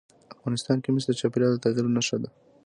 افغانستان کې مس د چاپېریال د تغیر نښه ده.